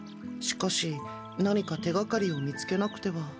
しかし何か手がかりを見つけなくては。